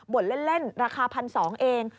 บ่นเล่นราคาพันธุ์สองเอง